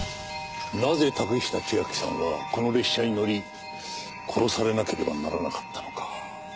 なぜ竹下千晶さんはこの列車に乗り殺されなければならなかったのか？